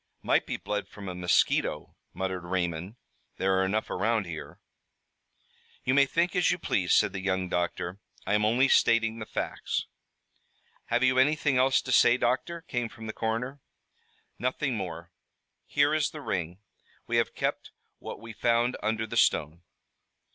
"Might be blood from a mosquito," muttered Raymond. "There are enough around here." "You may think as you please," said the young doctor. "I am only stating the facts." "Have you anything else to say, doctor?" came from the coroner. "Nothing more. Here is the ring. We have kept what we found under the stone."